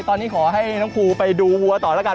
ตอนนี้ขอให้น้องครูไปดูวัวต่อแล้วกัน